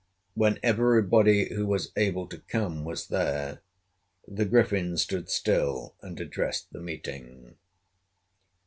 When everybody who was able to come was there, the Griffin stood still and addressed the meeting.